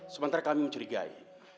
sementara kami mencurigai